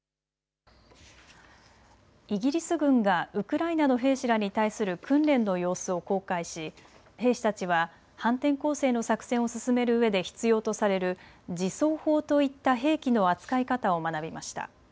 イギリス軍がウクライナの兵士らに対する訓練の様子を公開し兵士たちは反転攻勢の作戦を進めるうえで必要とされる自走砲といった兵器の扱い方を学びました。